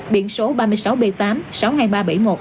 biển số ba mươi sáu b tám sáu mươi hai nghìn ba trăm bảy mươi một